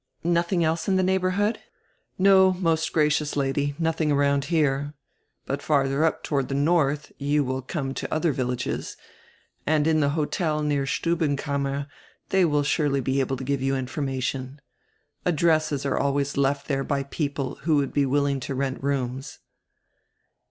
Nothing else in the neighborhood?" "No, most gracious Lady, nodiing around here. But fardier up, toward die north, you will come to other vil lages, and in die hotel near Stubbenkammer they will surely be able to give you information. Addresses are always left die re by people who would be willing to rent rooms."